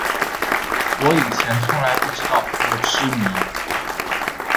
我以前从来不知道她的痴迷。